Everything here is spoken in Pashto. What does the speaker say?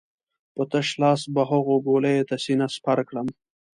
په تش لاس به هغو ګولیو ته سينه سپر کړم.